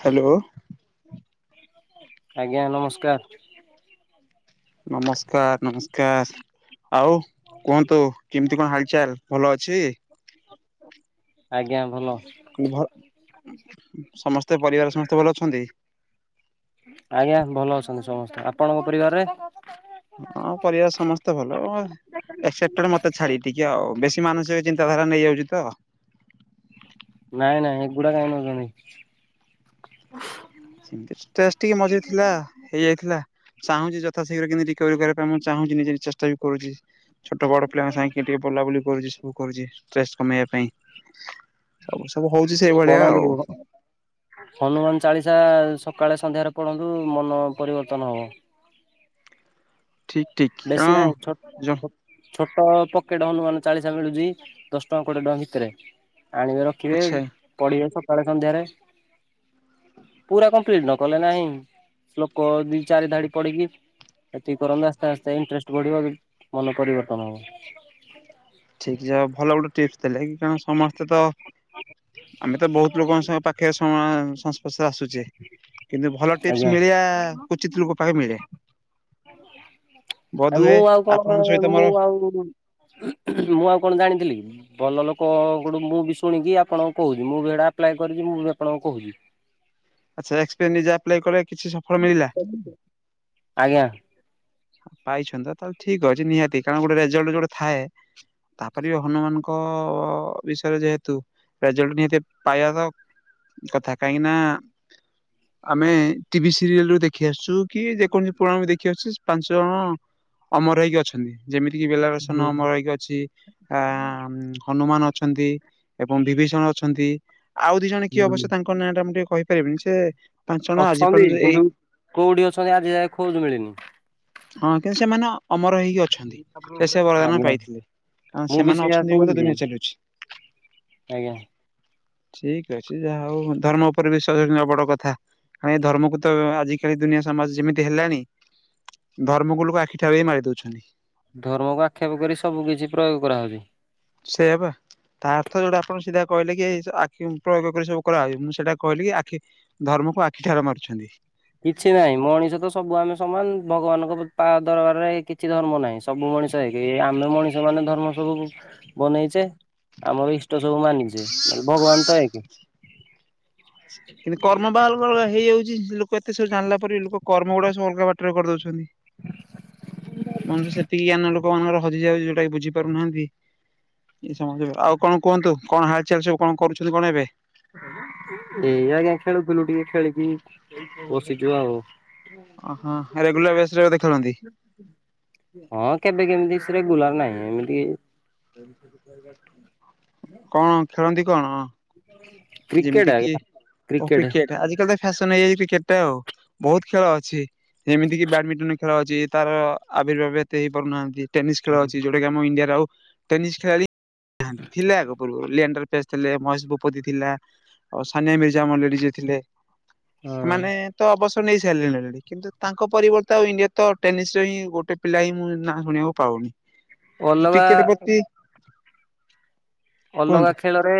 Hello ଆଜ୍ଞା ନମସ୍କାର। ନମସ୍କାର ନମସ ସ୍କାର ଆଉ କୁହନ୍ତୁ କେମିତି କଣ ହାଲଚାଲ ଭଲ ଅଛି? ଆଜ୍ଞା ଭଲ ଅଛି। କ ଭଲ ସମସ୍ତେ ପରିବାର ସମସ୍ତେ ଭଲ ଅଛନ୍ତି? ଆଜ୍ଞା ଭଲ ଅଛନ୍ତି ସମସ୍ତେ। ଆପଣଙ୍କ ପରିବାରରେ? [unintelligible] ହଁ ପରିବାର ସମସ୍ତେ ଭଲ ଆଁ ଏକ୍ସେଶେପଟେଡ ମତେ ଛାଡ଼ି ଟିକେ ଆଉ। ବେଶୀ ମାନସିକ ଚିନ୍ତାଧାରା ନେଇଯାଉଛି ତ। ନାଇଁ ନାଇଁ ଏଗୁଡା କାହିଁ ନେଉଛନ୍ତି? [unintelligible] ମଝିରେ ଥିଲା ହେଇଯାଇଥିଲା। ଚାହୁଁଛି ଯଥାଶୀଘ୍ର କେମିତି ରିକୋଭରୀ କରିବା ପାଇଁ ମୁଁ ଚାହୁଁଛି ନିଜେ ଚେଷ୍ଟା ବି କରୁଛି। ଛୋଟ ବଡ ପିଲାଙ୍କ ସାଙ୍ଗେ ଟିକେ ବୁଲାବୁଲି କରୁଛି ସବୁ କରୁଛି ଷ୍ଟ୍ରେସ କମେଇବା ପାଇଁ। ସବୁ ସବୁ ହଉଛି ସେଇଭଳିଆ ଆଉ। ପଢନ୍ତୁ ହନୁମାନ ଚାଳିଶା ସକାଳେ ସନ୍ଧ୍ୟାରେ ପଢନ୍ତୁ ମନ ପରିବର୍ତ୍ତନ ହବ। ଠିକ ଠିକ କଁ ବେଶୀ ନାହିଁ ଛୋ ଯ ଛୋଟ ପକେଟ ହନୁମାନ ଚାଳିଶା ମିଳୁଛି ଦଶ ଟଙ୍କା କୋଡିଏ ଟଙ୍କା ଭିତରେ ଆଣିକି ରଖ ଖିବେ ଆଚ୍ଛା ପଢିବେ ସକାଳେ ସନ୍ଧ୍ୟାରେ। ପୁରା କମ୍ପ୍ଲିଟ ନ କଲେ ନାହିଁ, ଶ୍ଲୋକ ଦି ଚାରି ଧାଡି ପଢ଼ିକି ଏତିକି କରନା ଫାଷ୍ଟ ଇଣ୍ଟରେଷ୍ଟ ବଢିବ ବି, ମନ ପରିବର୍ତ୍ତନ ହବ। ଠିକ ଯ ଭଲ ଗୋଟେ ଟିପସ ଦେଲେ କାରଣ ସମସ୍ତେ ତ ଆମେ ତ ବହୁତ ଲୋକଙ୍କ ସହ ପାଖରେ ସମ ସଂସ୍ପର୍ଶରେ ଆସୁଛେ। କିନ୍ତୁ ଭଲ ଟିପସ ଆଜ୍ଞା। ମିଳିଆ, କୁଚିତ ଲୋକ ପାଖେ ମିଳେ। ବୋଧ ଆ ମୁଁ ହୁଏ ଆଉ କଣ ଆପଣଙ୍କ କ, ସହିତ ମୋର ମୁଁ ଆଉ ମୁଁ ଆଉ କଣ ଜାଣିଥିଲି କି? ଭଲ ଲୋକଙ୍କ ଠୁ ମୁଁ ବି ଶୁଣିକି ଆପଣଙ୍କୁ କହୁଛି, ମୁଁ ବି ଏଡା ଆପ୍ଲାଏ କରିଛି ମୁଁ ବି ଆପଣଙ୍କୁ କହୁଛି। ଆଛା ଏକ୍ସପିରିଏନ୍ସ ଯାହା ଆପ୍ଲାଏ କଲେ କିଛି ସ ଆଜ୍ଞା। ପାଇଛନ୍ତି ତ ତାହେଲେ ଠିକ ଅଛି, ନିହାତି କାରଣ ଗୋଟେ ରେଜଲ୍ଟ ଯୋଟେ ଥାଏ। ତାପରେ ବି ହନୁମାନଙ୍କ ବିଷୟରେ ଯେହେତୁ ରେଜଲ୍ଟ ନିହାତି ପାଇବାତ୍ କଥା କାହିଁକି ନା ଆମେ ଟିଭି ସିରିଏଲ ରୁ ଦେଖ ଦେଖି ଆସୁ କି ଯେକୌଣସି ପୁରାଣ ବି ଦେଖି ଆସୁଛି ପାଞ୍ଚ ଜଣ ଅମର ହେଇକି ଅଛନ୍ତି। ଯେମିତି କିି ବେଲାରସନ ହୁଁ ଅମର ହେଇକି ଅଛି, ଆ ହନୁମାନ ଅଛନ୍ତି। ଏବଂ ବିଭୀଷଣ ଅଛନ୍ତି। ଆଉ ଦି ଜଣ କିଏ ହୁଁ। ଅବଶ୍ୟ ତାଙ୍କ ନାଁ ଟା ମୁଁ ଟିକେ କହିପାରିବିନି ସେ ପାଞ୍ଚ ଜଣ ଆଜି ଅଛନ୍ତି ପର୍ଯ୍ୟନ୍ତ ଏଇ କିନ୍ତୁ କୋଉଠି ଅଛନ୍ତି ଆଜି ଯାଏ ଖୋଜ ମିଳିନି। ହଁ କିନ୍ତୁ ସେମାନେ ଅମର ହେଇକି ଅଛନ୍ତି, ସେ ସେ ବରଦାନ ଆଜ୍ଞା। ପାଇଥିଲେ। କାରଣ ମୁଁ ବି ସେମାନେ ସେଇଆ ଅଛନ୍ତି ବୋଲି ତ୍ ଶୁଣିଛି ଦୁନିଆ ଚାଲୁଛି। ଆଜ୍ଞା। ଠିକ ଅଛି ଯାହା ହଉ ଧର୍ମ ଉପରେ ବିଶ୍ୱାସ କରିବା ବଡ କଥା। କାଇ ଏ ଧର୍ମକୁ ତ ଆଜିକାଲି ଦୁନିଆ ସମାଜ ଯେମିତି ହେଲାଣି। ଧର୍ମକୁ ଲୋକ ଆଖିଠାରୁ ହି ମାରି ଦେଉଛନ୍ତି। ଧର୍ମକୁ ଆକ୍ଷେପ କରି ସବୁ କିଛି ପ୍ରୟୋଗ କରାହାଉଛି। ସେୟା ବା। ତା ଅର୍ଥ ଯୋଉଟା ଆପଣ ସିଧା କହିଲେ କି ଏଇ ଆିଖି ପ୍ରୟୋଗ କରି ସବୁ କରାହଉଚି, ମୁଁ ସେଇଟା କହିଲେ କି ଆଖି ଧର୍ମକୁ ଆଖି ଠାର ମାରୁଛନ୍ତି। କିଛି ନାହିଁ ମଣିଷ ତ ସବୁ ଆମେ ସମାନ ଭଗବାନଙ୍କ ତା ଦରବାରରେ କିଛି ଧର୍ମ ନାହିଁ। ସବୁ ମଣିଷ ଏକ୍ ଆମେ ମଣିଷ ମାନେ ଧର୍ମ ସବୁ ବନେଇଛେ। ଆମର ଇଷ୍ଟ ସବୁ ମାନିଛେ, ହେଲେ ଭଗବାନ ତ ଏକ୍। କିନ୍ତୁ କର୍ମ ବା ଅଲଗା ହେଇଯାଉଛି ଲୋକ। ଏତେ ସବୁଜାଣିଲା ପରେ ବି ଲୋକ କର୍ମ ଗୁଡା ସବୁ ଅଲଗା ବାଟରେ କରିଦଉଛନ୍ତି। ମନୁଷ୍ୟ ସେତିକି ଜ୍ଞାନ ଲୋକ ମାନଙ୍କର ହଜିଯାଉଛି ଯୋଉଟା କି ବୁଝିପାରୁନାହାନ୍ତି। ଏଇ ସମ ଆଉ କଣ କୁହନ୍ତୁ କଣ ହାଲଚାଲ ସବୁ କଣ କରୁଛନ୍ତି କଣ ଏବେ? ଏଇ ଆଜ୍ଞା ଖେଳୁଥିଲୁ ଟିକେ ଖେଳିକି ବସିଚୁ ଆଉ। ଉଁ ହୁଁ ରେଗୁଲାର ବର୍ଷସାରା ବୋଧେ ଖେଳନ୍ତି। ହଁ କେବେ କେମିତି ବେଶୀ ରେଗୁଲାର ନାହିଁ ଏମିତି। [inaudible] କଣ ଖେଳନ୍ତି କଣ? କ୍ରିକେଟ ଯେମିତି କିି ଆଜ୍ଞା କ୍ରିକେଟ କ୍ରିକେଟେ ଆଜି କାଲି ତ ଫ୍ୟାସନ ହେଇଯାଇଛି କ୍ରିକେଟା ଆଉ। ବହୁତ ଖେଳ ଅଛି ଯେମିତି କିି ବ୍ୟାଡମିଣ୍ଟନ ଖେଳ ଅଛି ତାର ଆବିର୍ଭାବ ଏତେ ହେଇ ପାରୁନାହାନ୍ତି। ଟେନିସ୍ ଖେଳ ଅଛି ଯୋଉଟା କି ଆମ ଇଣ୍ଡିଆରେ ଆଉ ଟେନିସ୍ ଖେଳାଳି ନାହାନ୍ତି ଥିଲେ ଆଗୁରୁ ପୂର୍ବରୁ ଲେଣ୍ଡର ସ୍ଫେସେ୍। ଥିଲେ ମହେଶ ଭୂପତି ଥିଲା ସାନିଆ ମିର୍ଜା ମଣ୍ଡଳି ଯେ ଥିଲେ ହଁ ସେମାନେ ତ ଅବସର ନେଇ ସାରିଲେଣି ଅଲରେଡି କିନ୍ତୁ ତାଙ୍କ ପରିବର୍ତ୍ତେ ଟେନିସ ର ହିଁ ଗୋଟେ ପିଲା ହିଁ ମୁଁ ନାଁ ଶୁଣିବାକୁ ପାଉନି। [inaudible] କ୍ରିକେଟ ପ୍ରତି ଅଲଗା କୁହନ୍ତୁ ଖେଳରେ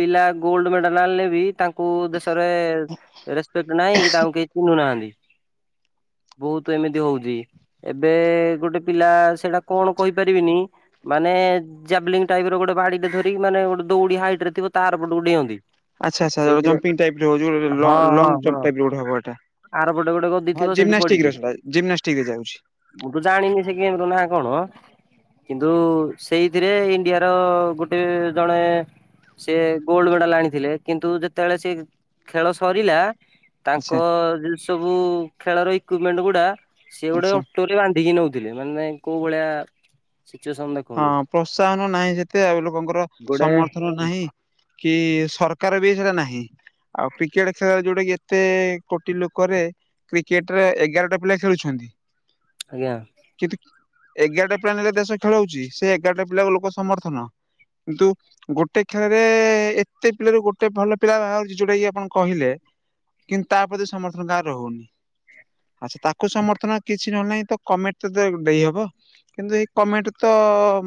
ପିଲା ଗୋଲ୍ଡ ମେଡାଲ ଆଣିଲେବି ତାଙ୍କୁ କୋଉ ଦେଶରେ ରେସ୍ପେପେଟ୍ ନାହିଁ କି ତାଙ୍କୁ କେହି ଚିହ୍ନୁ ନାହାଁନ୍ତି। ବହୁତ ଏମିତି ହଉଚି। ଏବେ ଗୋଟେ ପିଲା ସେଇଟା କଣ କହିପାରିବିନି। ମାନେ ଜାଭିଲିଂଙ୍ଗ୍ ଟାଇପି ର ଗୋଟେ ବାଡିଦେଖେଇ ଦେଇକି ମାନେ ଗୋଟେ ଦୌଡି ହାଇଟି ର ଥିବ ତା ଆରପଟକୁ ଡିଅନ୍ତି। ଆଚ୍ଛା ଆଚ୍ଛା ସେଇଥିରେ ଜପିଂଙ୍ଗ୍ ଟାଇପ୍ ର ହୋଉଚି ହଁ ହଁ ଲଙ୍ଗ ହଁ ଜମ୍ପ ଟାଇପ୍ ର ହବ ଏଟା। ଆର ପଟେ ଗୋଟେ ଗଦି ହଁ ଥିବ ସେଇଠି ଜିନ୍ନାଷ୍ଟିକ୍ ପଡିବେ। ସେଟା ଯାଉଚି ଜିନ୍ନଷ୍ଟିକ୍ ରେ ଯାଉଛି। ମୁଁ ତ ଜାଣିନି ସେ ଗେମ୍ ର ନା କଣ? କିନ୍ତୁ ସେଇଥିରେ ଇଣ୍ଡିଆର ଗୋଟେ ଜଣେ ସେ ଗୋଲ୍ଡ ମେଡାଲ ଆଣିଥିଲେ କିନ୍ତୁ ଯେତେବେଳେ ସେ ଖେଳ ସରିଲା। ଆଚ୍ଛା। ତାଙ୍କ ସବୁ ଖେଳର ଇକୁମେଣ୍ଟେ ଗୁଡା ସିଏ ଗୋଟେ ଆଚ୍ଛା ଟୁଲରେ ବାନ୍ଧିକି ନଉଥିଲେ ମାନେ କୋଉ ଭଳିଆ ସିଚୁଏସନ୍ ଦେଖନ୍ତୁ। ହଁ ପ୍ରୋତ୍ସାହନ ନାହିଁ ସେତେ ଆଉ ଲୋକଙ୍କର ଗୋଟେ ସମର୍ଥନ ନାହିଁ। କି ସରକାର ବି ସେଟା ନାହିଁ। ଆଉ କ୍ରିକେଟେ ଖେଳରେ ଯୋଉଟା କି ଏତେ କୋଟି ଲୋକରେ କ୍ରିକେଟେରେ ଏଗାରଟା ପିଲା ଖେଳୁଛନ୍ତି। ଆଜ୍ଞା। କିନ୍ତୁ ଏଗାରଟା ପିଲା ନେଲେ ଦେଶ ଖେଳେଉଚି ସେ ଏଗାରଟା ପିଲାକୁ ଲୋକ ସମର୍ଥନ। କିନ୍ତୁ। ଗୋଟେ ଖେଳରେ ଏତେ ପିଲାରୁ ଗୋଟେ ଭଲ ପିଲା ଵାହାରୁଚି ଯୋଉଟା କି ଆପଣ କହିଲେ। କିନ୍ତୁ ତା ପ୍ରତି ସମର୍ଥନ କାହାର ରହୁନେହିଁ। ଆଚ୍ଛା ତାକୁ ସମର୍ଥନ କିଛି ନ ହେଲା ନାହିଁ ତ କମେଣ୍ଟେ ତ ଦେଇହବ କିନ୍ତୁ ଏଇ କମେଣ୍ଟେ ତ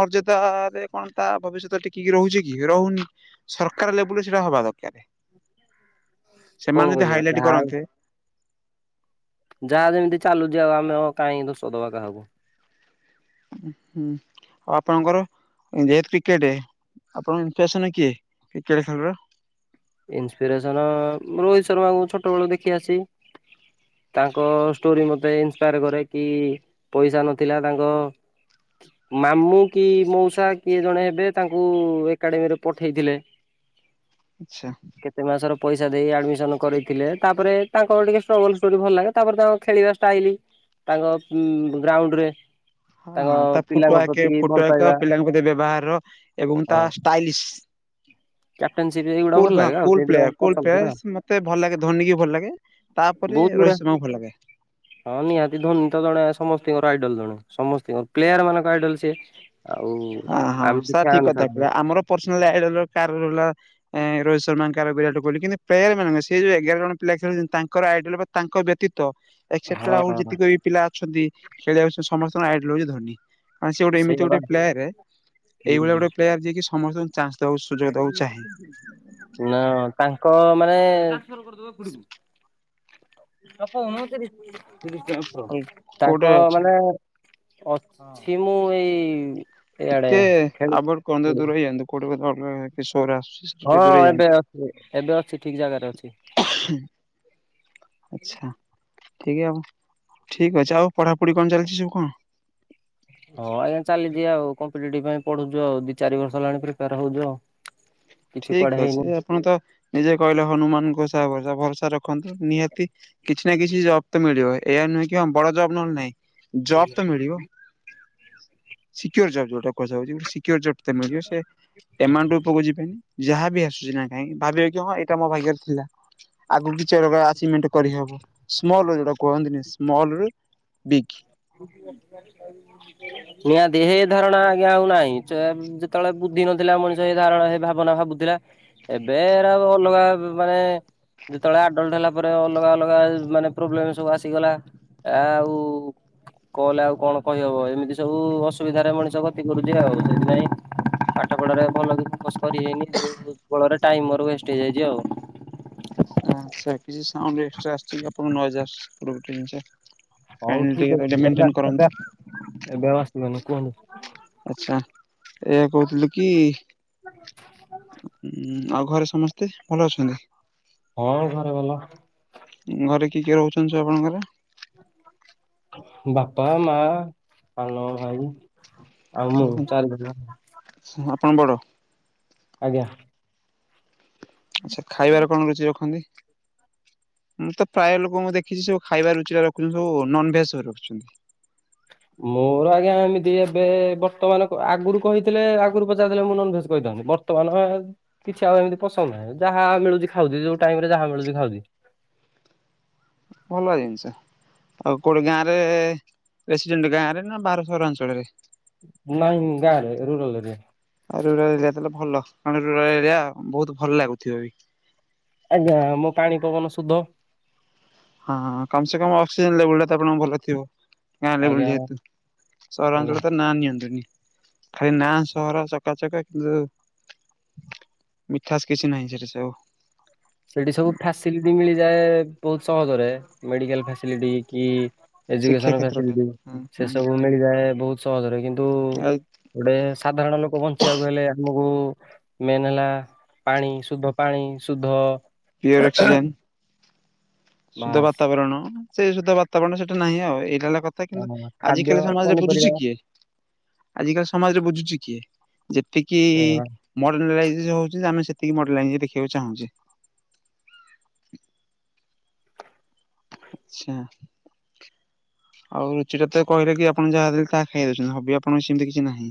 ମର୍ଯ୍ୟାଦାରେ କଣ ତା ଭବିଷ୍ୟତ ଟିକେକି ରହୁଛି କି ରହୁନି। ସରକାର ଲେବୁଲେ ସେଟା ହବା ଦରକାରେ। କଣ କରିବା ହାଇଲାଇଟ ଯାହା ଆଉ। କରନ୍ତେ ଯାହା ଯେମିତି ଚାଲୁ ଆଉ ଆମେ କାହିଁ ଦୋଷ ଦବା କାହାକୁ। ହୁଁ ଆଉ ଆପଣଙ୍କର ଯେହେତୁ କ୍ରିକେଟ? ଆପଣଙ୍କ ଇଫେସନ୍ କିଏ କ୍ରିକେଟେ ଖେଳର? ଇନ୍ସିପିରେସନ୍ ରୋହିତ ଶର୍ମାଙ୍କୁ ଛୋଟ ବେଳୁ ଦେଖି ଆସିଛୁ। ତାଙ୍କ ଷ୍ଟୋରି ମତେ ଇନ୍ସପାୟାର କରେ କି। ପଇସା ନଥିଲା ତାଙ୍କ ମାମୁଁ କି ମଉସା କିଏ ଜଣେ ହେବେ ତାଙ୍କୁ ଏକାଡେମୀରେ ପଠେଇଥିଲେ। ଆଚ୍ଛା। କେତେ ମାସର ପଇସା ଦେଇ ଆଡମିସନ କରିଥିଲେ, ତାପରେ ତାଙ୍କର ଟିକେ ଷ୍ଟ୍ରଗଲ୍ ଷ୍ଟୋରି ଭଲ ଲାଗେ ତାପରେ ତାଙ୍କ ଖେଳିବା ଷ୍ଟାଇଲି ତାଙ୍କ ଉଁ ଗ୍ରାଉଣ୍ଡ ରେ। ତାଙ୍କ ହଁ-ହଁ ତା ଫୁଟୋ ପିଲାଙ୍କ ଆକେ ପ୍ରତି ଭଲ ଫୁଟୋ ଆକ ପାଇବା ପିଲାଙ୍କ ପ୍ରତି ବ୍ୟବହାର ଏବଂ ତା ଷ୍ଟାଇଲିଶ୍ କ୍ୟାପଟନସିପ୍ ଏଗୁଇଡ଼ା ଭଲ ଲାଗେ। ଆଉ କୁଲ୍ ସେଇଥିପାଇଁ ପ୍ଲାୟର କୁଲ ପସନ୍ଦ କରେ ଆଉ ପ୍ଲାୟର ମତେ ଭଲ ଲାଗେ ଧୋନି ବି ଭଲ ଲାଗେ, ତାପରେ ରୋହିତ ଶର୍ମାଙ୍କୁ ବି ଭଲ ଲାଗେ। ହ। ହଁ ନିହାତି ଧୋନୀ ତ ଜଣେ ସମସ୍ତିଙ୍କର ଆଇଡଲ୍ ଜଣେ, ସମସ୍ତିଙ୍କର ପ୍ଲେୟାର୍ ମାନଙ୍କ ଆଇଡଲ୍ ସିଏ। ଆଉ ହଁ-ହଁ ଆମେ ତ ସାର୍ ଫ୍ୟାନ ଠିକ କଥା ଛାଡୁନୁ କହିଲେ, ଆମର ପର୍ସନାଲ୍ ଆଇଡଲ୍ କାର ରହିଲା ଏଁ ରୋହିତ ଶର୍ମାଙ୍କାର ବିରାଟ କୋହଲି କିନ୍ତୁ ପ୍ଲେୟାର୍ ମାନେ [unintelligible] ସେ ଯୋଉ ଏଗାର ଜଣ ପିଲା ଖେଳୁଚନ୍ତି ତାଙ୍କର ଆଇଡଲ୍ ବା ତାଙ୍କ ବ୍ୟତୀତ ଏକ୍ସେପ୍ଟେଡ୍ ଆଉ ହଁ। ଯେତିକ ବି ପିଲା ଅଛନ୍ତି ଖେଳି ଆଉଛନ୍ତି ସମସ୍ତଙ୍କର ଆଇଡଲ୍ ହଉଚି ଧୋନୀ। ଆଁ ସେ ଗୋଟେ ଏମିତି ସେଇଆ ବା ଗୋଟେ ପ୍ଲେୟାରେ ଏଇଭଳିଆ ହୁଁ, ଗଟେ ପ୍ଲାୟେର୍ ଯିଏକି ସମସ୍ତଙ୍କୁ ଚାନ୍ସ ଦବାକୁ ସୁଯୋଗ ଦବାକୁ ଚାହେଁ। ନା ତାଙ୍କ ମାନେ ତାଙ୍କ କୋଉଠି ଅଛନ୍ତି? ମାନେ ଅଛି ମୁଁ ଏଇ ଇଆଡେ ଟିକେ ଖେଳି ଆଭଏଡ୍ [unintelligible] ଦୂର ହେଇଯାଆନ୍ତୁ କୋଉଠି [unintelligible] ସୋର୍ ଆସୁଚି। ହଁ ଏବେ ଅଛି, ଏବେ ଅଛି ଠିକ୍ ଜାଗାରେ ଅଛି। ଆଚ୍ଛା ଠିକ୍ ଆଉ। ଠିକ୍ ଅଛି, ଆଉ ପଢାପଢି କଣ ଚାଲିଛି ସବୁ କଣ? ହଁ ଆଜ୍ଞା ଚାଲିଚି ଆଉ କମ୍ପିଟେଟିଭ୍ ପାଇଁ ପଢୁଚୁ ଆଉ, ଦି ଚାରି ବର୍ଷ ହେଲାଣି ପ୍ରିପୋୟାର ହଉଚୁ ଆଉ। [inaudible] ଠିକ୍ ହେଇନି ଅଛି ଆପଣ ତ ନିଜେ କହିଲେ ହନୁମାନ୍ ସହା ଭରସା, ଭରସା ରଖନ୍ତୁ ନିହାତି କିଛି ନା କିଛି ଜବ୍ ତ ମିଳିବ, ଏୟା ନୁହେଁ କି ବଡ ଜବ୍ ନହେଲେ ନାଇଁ ଜବ୍ ତ ମିଳିବ। ହଁ। ସିକ୍ୟୋର ଜବ୍ ଯୋଉଟା କୁହାଯାଉଚି, ଗୋଟେ ସିକ୍ୟୋର ଜବ୍ ଟେ ମିଳିବ ସେ ଏମାଉଣ୍ଟ ପାଖକୁ ଯିବେନି। ଯାହା ବିି ଆସୁଚି ନା [unintelligible] ଭାବିବେ କି ହଁ ଏଇଟା ମୋ ଭାଗ୍ୟରେ ଥିଲା। ଆଗୁକୁ କିଛି ଅଲଗା ଅଚିଭ୍ମେଣ୍ଟ କରିହବ, ସ୍ମଲ ଯୋଉଟା କୁହନ୍ତିନି ସ୍ମଲରୁ ବିଗ୍। [unintelligible] ଏହି ଧାରଣା ଆଜ୍ଞା ଆଉ ନାହିଁ [unintelligible] ଯେତବଳେ ବୁଦ୍ଧି ନଥିଲା ମଣିଷ ଏ ଧାରଣା ହେ ଭାବନା ଭାବୁଥିଲା। ଏବେ ଏରାକ ଅଲଗା ମାନେ ଯେତବଳେ ଆଡଲ୍ଟ ହେଲା ପରେ ଅଲଗା-ଅଲଗା ମାନେ ପ୍ରୋବ୍ଲେମ୍ ସବୁ ଆସିଗଲା, ଆଉ କଲ୍ ରେ ଆଉ କଣ କହିହବ ଏମିତି ସବୁ ଅସୁବିଧାରେ ମଣିଷ ଗତି କରୁଚି ଆଉ, ସେଥିପାଇଁ ପାଠ ପଢାରେ ଭଲକି ଫୋକସ କରିହେଇନି ଯୋଉ ଫଳରେ ଟାଇମ୍ ମୋର ୱେଷ୍ଟ ହେଇଯାଇଚି ଆଉ। ଆଚ୍ଛା କିଛି ସାଉଣ୍ଡ ଏକ୍ସଟ୍ରା ଆସଚି କି ଆପଣ ନଏଜ୍ [inaudible] ହଉ [unintelligible] ଠିକ ଅଛି ଟିକେ ଏବେ [unintelligible] ଏବେ କରନ୍ତୁ। ଏବେ ଆଉ ଆସିବନି, କୁହନ୍ତୁ। ଆଚ୍ଛା ଏୟା କହୁଥିଲି କି, ଉଁ ଆଉ ଘରେ ସମସ୍ ତେ ଭଲ ଅଛନ୍ତି? ହଁ ଘରେ ଭଲ ଘରେ କିଏ-କିଏ ରହୁଚନ୍ତି ସବୁ ଆପଣଙ୍କ ଘରେ? ବାପା, ମା, ସାନ ଭାଇ ଆଉ ମୁଁ ଓହୋ ଚାରି ଜଣ। ଆପଣ ବଡ? ଆଜ୍ଞା। ଆଚ୍ଛା ଖାଇବାରେ କଣ ରୁଚି ରଖନ୍ତି? ମୁଁ ତ ପ୍ରାୟ ଲୋକଙ୍କୁ ଦେଖିଚି ସବୁ ଖାଇବା ରୁଚି ଟା ରଖୁଚନ୍ତି ସବୁ ନନ୍ ଭେଜ ସବୁ ରଖୁଚନ୍ତି। ମୋର ଆଜ୍ଞା ଏମିତି ଏବେ ବର୍ତ୍ତମାନ ଆଗରୁ କହିଥିଲେ ଆଗରୁ ପଚାରିଥିଲେ ମୁଁ ନନଭେଜ କହିଥାନ୍ତି। ବ ବର୍ତ୍ତମାନ କିଛି ଆଉ ଏମିତି ପସନ୍ଦ ନାହିଁ ଯାହା ମିଳୁଛି ଖାଉଛି ଯୋଉ ଟାଇମ ରେ ଯାହା ମିଳୁଛି ଖାଉଛି। ଭଲ ଜିନିଷ। ଆଉ କୋଉଠି ଗାଁ ରେ ରେସିଡେଣ୍ଟ ଗାଁ ରେ ନା ବାର ସହରାଅଞ୍ଚଳରେ। ନାଇଁ ଗାଁରେ ରୁରାଲ ରେ। ଆଉ ରୁରାଲ ଏରିଆ ତାହଲେ ଭଲ କାରଣ ରୁରାଲ ଏରିଆ ବହୁତ ଭଲ ଲାଗୁଥିବ ବି। ଆଜ୍ଞା ମୋ ପାଣି ପବନ ସୁଧ। ହଁ କମ ସେ କ ଅକ୍ସିଜେନ ଲେବୁଲ ଟା ତ ଆପଣ ଭଲ ଥିବ। ଗାଁ ଲେବୁଲୁ ଆଜ୍ଞା ଯେହେତୁ ଆଜ୍ଞା। ସହରାଞ୍ଚଳ ତ ନାଁ ନିଅନ୍ତୁନି। ଖାଲି ନାଁ ସହର ଚକାଚକା କିନ୍ତୁ ମିଠାସ କିଛି ନାହିଁ ସେଠି ସେବୁ। ସେଠି ସବୁ ଫାସିଲିଟି ମିଳିଯାଏ ବହୁତ ସହଜରେ ମେଡିକାଲ ଫାସିଲିଟି କି ଶିକ୍ଷା ଆଯୁକେଶନ କ୍ଷେତ୍ରଟେ ଫାସିଲିଟି ହୁଁ ସେ ହୁଁ ସବୁ ମିଳିଯାଏ ବହୁତ ସହଜରେ କିନ୍ତୁ ଆଉ ଗୋଟେ ସାଧାରଣ ଲୋକ ବଞ୍ଚିବାକୁ ହେଲେ ଆମକୁ ମେନ୍ ହେଲା ପାଣି ଶୁଦ୍ଧ ପାଣି ଶୁଦ୍ଧ ପିଓର ଅକ୍ସିଯେନ୍ ଶୁଦ୍ଧ ବାସ୍ ବାତାବରଣ ସେ ଶୁଦ୍ଧ ବାତାବରଣ ସେଟା ନାହିଁ ଆଉ ଏଇଟା ହେଲା କ ଅଁ, କିନ୍ତୁ ଖାଦ୍ୟ ଆଜିିକାଲି ସମାଜରେ ପନିପରିବା ବୁଝୁଛି କିଏ? ଆଜିିକାଲି ସମାଜରେ ବୁଝୁଚି କିଏ ଯେତିକି ମଡର୍ଲାଇଜ ଯୋଉ ହଉଛି ଆମେ ସେତିକି ମଡଲାଇଯି ଦେଖିବାକୁ ଚାହୁଛେ। ଆଚ୍ଛା। ଆଉ ରୁଚି ଟା ତ କହିଲେ କି ଆପଣ ଯାହା ଦେଲେ ତାହା ଖାଇ ଦଉଛନ୍ତି ହବି ଆପଣଙ୍କ ସେମିତି କିଛି ନାହିଁ।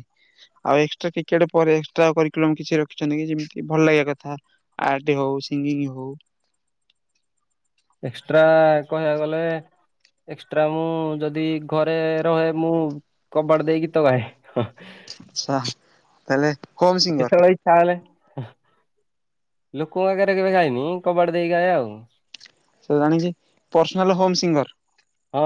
ଆଉ ଏକ୍ସଟ୍ରା କ୍ରିକେଟ ପରେ ଏକ୍ସଟ୍ରା କରିକଲମ୍ କିଛି ରଖିଛନ୍ତି କି ଯେମିତି ଭଲ ଲାଗିବା କଥା। ଆର୍ଟ ହଉ ସିଙ୍ଗିଙ୍ଗି ହଉ ଏକ୍ସଟ୍ରା କହିବାକୁ ଗଲେ ଏକ୍ସଟ୍ରା ମୁଁ ଯଦି ଘରେ ରହେ ମୁଁ କବାଟ ଦେଇକି ଗୀତ ଗାଏ। ଆଛା ତାହେଲେ କଉ ସିଙ୍ଗର? ସାୟଲେ ଲୋକଙ୍କ ଆଗରେ କେବେ ଗାଇନି କବାଟ ଦେଇକି ଗାଏ ଆଉ। ସେ ଜାଣିଛି ପର୍ସନାଲ ହୋମ ସିଙ୍ଗର। ହଁ।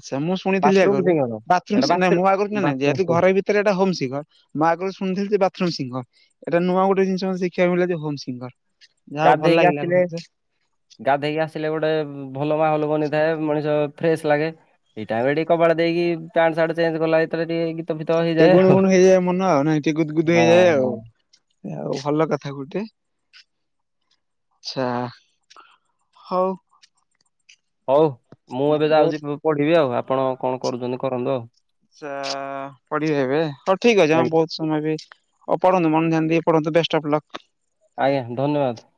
ଆଛା ମୁଁ ଶୁଣିଥିଲି ବାଥରୁମ୍ ଆଗରୁ ସିଙ୍ଗର ବାଥରୁମ ଏଇଟା ସି ନାଇଁ ବାଥରୁ ମୁଁ ଆଗରୁ କରୁଚି କି ନାଇ ଯେହେତୁ ବାଥରୁମ୍ ଘରେ ଭି ଏଥିରେ ଏଇଟା ହୋମ ସିଙ୍ଗର ମୁଁ ଆଗରୁ ଶୁଣିଥିଲେ ଯେ ବାଥ ଥ୍ରୁମ୍ ସିଙ୍ଗର ଏଟା ନୂଆ ଗୋଟେ ଜିନିଷ ଶିଖିବାକୁ ମିଳେ ହୋମ ସିଙ୍ଗର। ଯାହା ହଉ ଭଲ ଗାଧେଇକି ଲାଗିଲା ଗୋଟେ ଆସିଲେ। ଜିନିଷ ଗାଧେଇକି ଆସିଲେ ଗୋଟେ ଭଲ ମାହଲ ବନିଥାଏ ମଣିଷ ଫ୍ରେଶ ଲାଗେ। ଏଇ ଟାଇମ ଟିକେ କବାଟ ଦେଇକି ପ୍ୟାଟ ସାର୍ଟ ଚେଞ୍ଜ କଲା ଭିତର ଟିକେ ଫିତ ଟିକେ ହେଇଯାଏ ଗୁଣୁ ଗୁଣୁ ହେଇଯାଏ ମନ ଆଉ ନାଇଁ ଟିକେ ଗୁଦୁ ଗୁଦୁ ହଁ ହେଇଯାଏ ଆଉ। ହଁ ଆଉ ଭଲ କଥା ଗୁଟେ। ଆଛା ହଉ। ହଉ ମୁଁ ଏବେ ବହୁତ ଯାଉଛି ପଢିବି ଆଉ ଆପଣ କଣ କରୁଛନ୍ତି କରନ୍ତୁ ଆଉ। ଆଚ୍ଛା ପଢିବ ଏବେ ହଉ ଠିକ ଅଛି ଆଜ୍ଞା ହଁ ବହୁ ସମୟ ବି ଆଉ ପଢନ୍ତୁ ମନ ଧ୍ୟାନ ଦେଇକି ପଢନ୍ତୁ ବେଷ୍ଟ ଅଫ ଲକ୍। ଆଜ୍ଞା ଧନ୍ୟବାଦ।